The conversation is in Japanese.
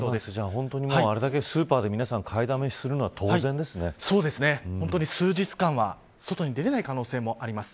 本当にあれだけスーパーで皆さん買いだめするのは本当に数日間は外に出られない可能性もあります。